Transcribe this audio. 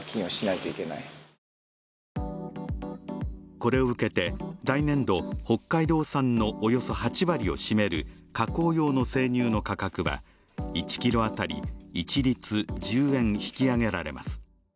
これを受けて、来年度、北海道産のおよそ８割を占める加工用の生乳の価格は１ｋｇ当たり一律１０円引き上げられます。